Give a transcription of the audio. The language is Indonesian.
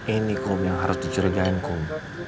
ini kum yang harus dicurigain kum